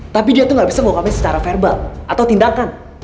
tapi dia tuh gak bisa mengungkapnya secara verbal atau tindakan